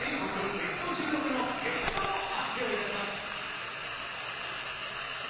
ベスト１６の結果を発表いたします。